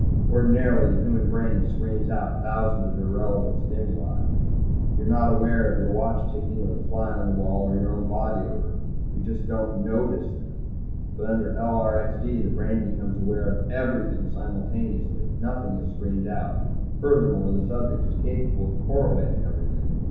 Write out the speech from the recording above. Ordinarily the human brain screens out thousands of irrelevant stimuli. You're not aware of your watch ticking, or the fly on the wall, or your own body odor. You just don't notice them. But under LRXD, the brain becomes aware of everything simultaneously. Nothing is screened out. Furthermore, the subject is capable of correlating everything.